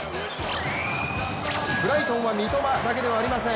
ブライトンは、三笘だけではありません。